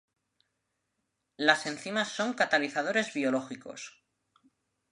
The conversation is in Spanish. Las enzimas son catalizadores biológicos.